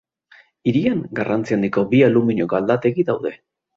Hirian garrantzi handiko bi aluminio-galdategi daude.